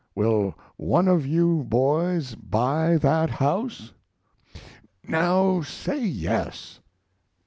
Will one of you boys buy that house? Now, say yes.